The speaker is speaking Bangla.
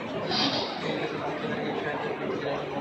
তিনি লিখেছেন -"অন্তরে কিন্তু সাহিত্য প্রীতির আসন পাতাই ছিল।